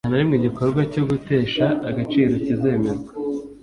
Nta na rimwe igikorwa cyo gutesha agaciro kizemerwa